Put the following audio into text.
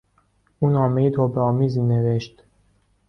او نامهی توبهآمیزی نوشت.